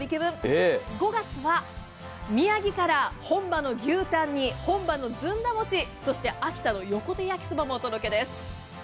５月は宮城から本場の牛タンに本場のずんだ餅、そして秋田の横手やきそばもお届けです。